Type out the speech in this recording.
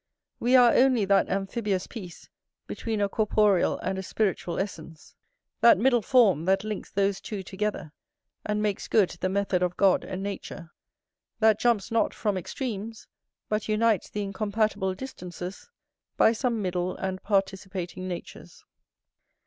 We are only that amphibious piece, between a corporeal and a spiritual essence; that middle form, that links those two together, and makes good the method of God and nature, that jumps not from extremes, but unites the incompatible distances by some middle and participating natures.